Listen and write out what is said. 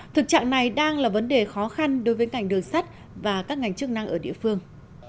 thực trạng này đang là vấn đề khó khăn đối với ngành đường sắt và các ngành chức năng ở địa phương